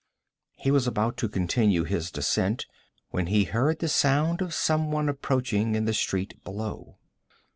He was about to continue his descent, when he heard the sound of someone approaching in the street below.